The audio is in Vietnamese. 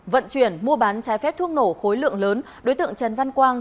vận chuyển mua bán trái phép thuốc nổ khối lượng lớn đối tượng trần văn quang